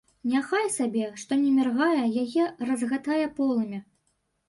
Няхай сабе, што не міргае яе разгатае полымя.